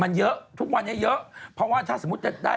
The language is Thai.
มันเยอะทุกวันนี้เยอะเพราะว่าถ้าสมมุติจะได้